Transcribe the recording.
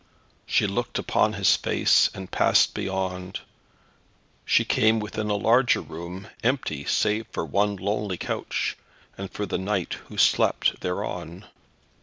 She looked upon his face and passed beyond. She came within a larger room, empty, save for one lonely couch, and for the knight who slept thereon.